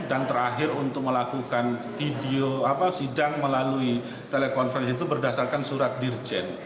dan terakhir untuk melakukan video sidang melalui telekonferensi itu berdasarkan surat dirjen